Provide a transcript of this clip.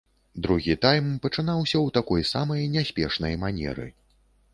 Другі тайм пачынаўся ў такой самай няспешнай манеры.